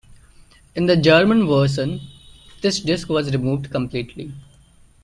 In the German version, this disc was removed completely.